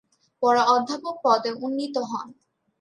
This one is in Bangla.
পরে অধ্যাপক পদে উন্নীত হন।